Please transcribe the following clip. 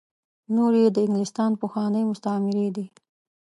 نور یې د انګلستان پخواني مستعميري دي.